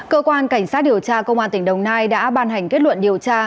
cơ quan cảnh sát điều tra công an tỉnh đồng nai đã ban hành kết luận điều tra